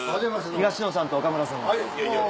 東野さんと岡村さんです。